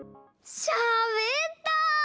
しゃべった！